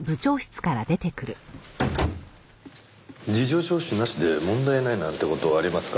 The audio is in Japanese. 事情聴取なしで問題ないなんて事ありますか？